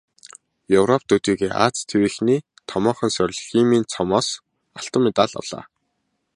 Европ төдийгүй Ази тивийнхний томоохон сорил "Химийн цом"-оос алтан медаль авлаа.